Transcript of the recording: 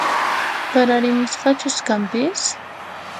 Pararimunqachus kanpis